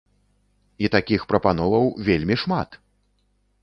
І такіх прапановаў вельмі шмат!